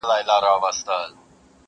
څه د خانانو، عزیزانو څه دربار مېلمانه!